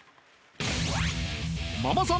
ママさん